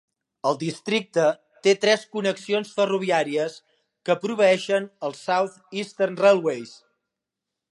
El districte té tres connexions ferroviàries que proveeixen els South Eastern Railways.